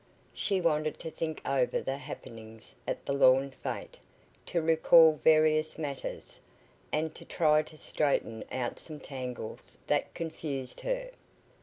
She wanted to think over the happenings at the lawn fete, to recall various matters, and to try to straighten out some tangles that confused her.